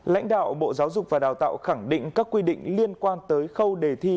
lãnh đạo bộ giáo dục và đào tạo khẳng định các quy định liên quan tới khâu đề thi